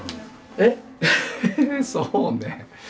えっそうね。